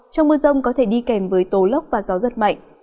trong mưa rông có thể đi kèm với tố lốc và gió rất mạnh